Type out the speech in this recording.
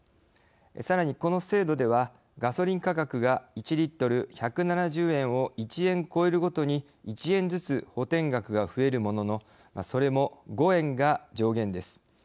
さらにこの制度ではガソリン価格が１リットル１７０円を１円超えるごとに１円ずつ補てん額が増えるもののそれも５円が上限です。